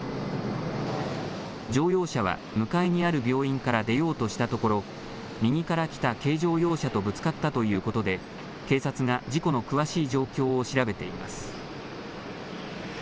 乗用車は向かいにある病院から出ようとしたところ右から来た軽乗用車とぶつかったということで警察が事故の詳しい状況を調べています。